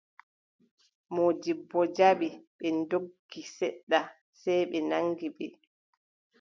Moodibbo jaɓi, ɓe ndokki, seɗɗa sey ɓe naŋgi ɓe.